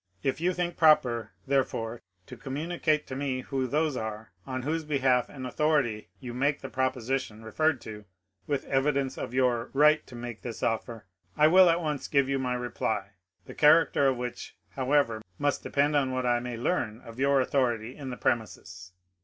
If you think proper, therefore, to communicate to me who those are, on whose behalf and authority you make the propo 414 MONCURE DANIEL CONWAY sition referred to, with the evidence of yoor ^^ right to make this offer," I will at once give you my reply, — the character of which, however, most depend on what 1 may learn of your authority in the premises.